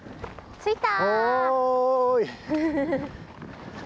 着いた！